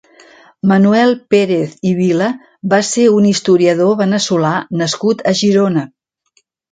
Manuel Pérez i Vila va ser un historiador veneçolà nascut a Girona.